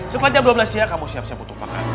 setelah jam dua belas siang kamu siap siap untuk makan